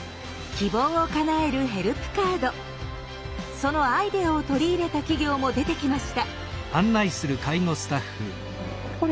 そのアイデアを取り入れた企業も出てきました。